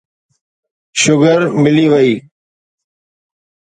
Sugar ملي وئي.